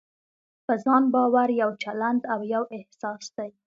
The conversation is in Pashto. په ځان باور يو چلند او يو احساس دی.